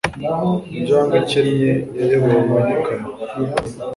Injangwe ikennye yayobowe n'ikamyo.